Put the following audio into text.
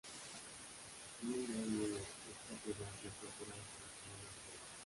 Nine Mile es propiedad y está operado por la familia de Bob.